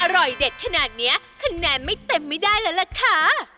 อร่อยเด็ดขนาดนี้คะแนนไม่เต็มไม่ได้แล้วล่ะค่ะ